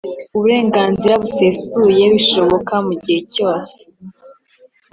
uburenganzira busesuye bishoboka mu gihe cyose